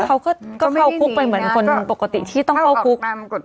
เขาก็เข้าคุกไปเหมือนคนปกติที่ต้องเข้าคุก